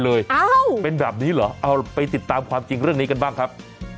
เราไปติดตามกับความจริงเรื่องนี้กันนะครับ